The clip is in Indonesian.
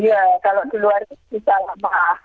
iya kalau di luar itu bisa lama